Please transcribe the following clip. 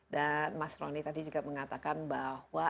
dan mas roni tadi juga mengatakan bahwa